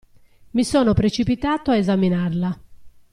Mi sono precipitato a esaminarla.